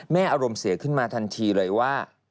อารมณ์เสียขึ้นมาทันทีเลยว่า